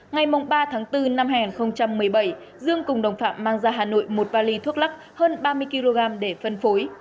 ngày ba tháng bốn năm hai nghìn một mươi bảy dương cùng đồng phạm mang ra hà nội một vali thuốc lắc hơn ba mươi kg để phân phối